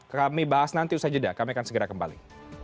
kami bahas nanti usai jeda kami akan segera kembali